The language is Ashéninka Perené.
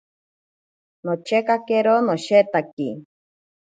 Nochekakero noshetaki.